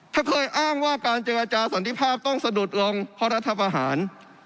ถ้าเคยอ้างว่าการเจอกับอาจารย์สอนที่ภาพต้องสะดุดอ่งเพราะรัฐภาหาร